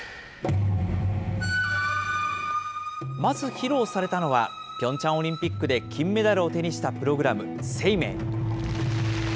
まず披露されたのは、ピョンチャンオリンピックで金メダルを手にしたプログラム、ＳＥＩＭＥＩ。